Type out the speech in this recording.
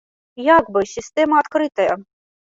Як бы, сістэма адкрытая!